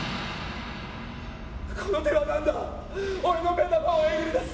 この手は何だ⁉俺の目玉をえぐり出す。